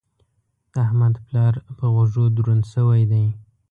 د احمد پلار په غوږو دروند شوی دی.